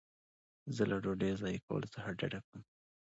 زه له ډوډۍ ضایع کولو څخه ډډه کوم.